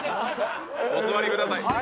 お座りください